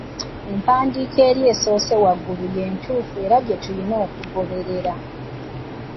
Empandiika eri esoose waggulu y’entuufu era gye tulina okugoberera.